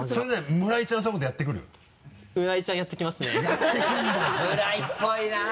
村井っぽいな。